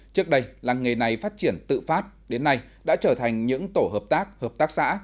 trước đây làng nghề này phát triển tự phát đến nay đã trở thành những tổ hợp tác hợp tác xã